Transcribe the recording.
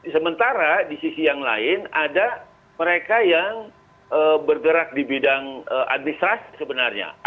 sementara di sisi yang lain ada mereka yang bergerak di bidang administrasi sebenarnya